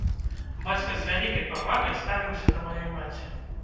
Бацька з вялікай павагай ставіўся да маёй маці.